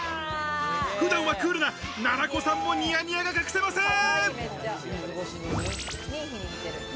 普段はクールななな子さんもニヤニヤが隠せません。